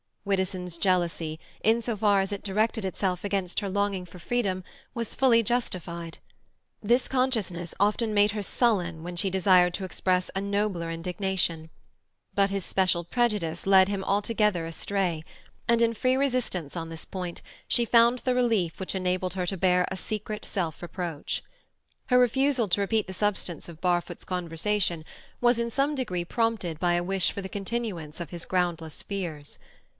Widdowson's jealousy, in so far as it directed itself against her longing for freedom, was fully justified; this consciousness often made her sullen when she desired to express a nobler indignation; but his special prejudice led him altogether astray, and in free resistance on this point she found the relief which enabled her to bear a secret self reproach. Her refusal to repeat the substance of Barfoot's conversation was, in some degree, prompted by a wish for the continuance of his groundless fears.